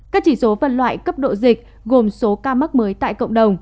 các chỉ số phân loại cấp độ dịch gồm số ca mắc mới tại cộng đồng